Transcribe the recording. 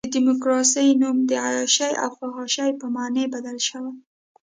د ډیموکراسۍ نوم د عیاشۍ او فحاشۍ په معنی بدل شوی.